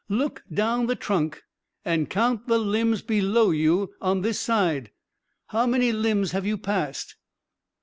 Look down the trunk and count the limbs below you on this side. How many limbs have you passed?"